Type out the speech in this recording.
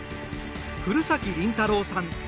古崎倫太朗さん。